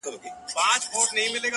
زما د زړه کوتره;